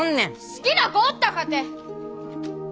好きな子おったかて。